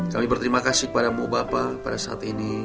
kami berterima kasih kepada mu bapak pada saat ini